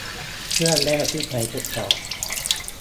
เครื่องแรกที่ใช้ทดสอบ